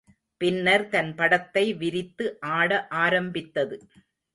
பின்னர் தன் படத்தை விரித்து ஆட ஆரம்பித்தது.